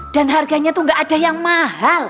dan harganya itu gak ada yang mah